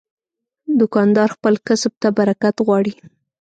دوکاندار خپل کسب ته برکت غواړي.